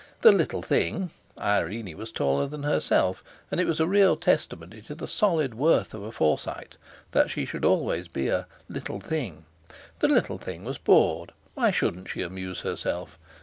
The "little thing"—Irene was taller than herself, and it was real testimony to the solid worth of a Forsyte that she should always thus be a "little thing"—the little thing was bored. Why shouldn't she amuse herself?